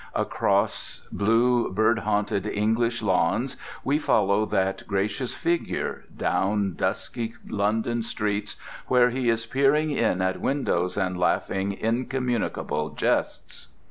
Across blue bird haunted English lawns we follow that gracious figure, down dusky London streets where he is peering in at windows and laughing incommunicable jests.